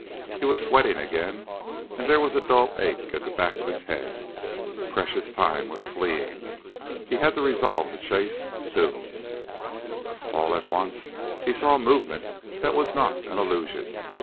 He was sweating again and there was a dull ache at the back of his head. Precious time was fleeing. He'd have to resolve the chase soon. All at once he saw movement that was not an illusion.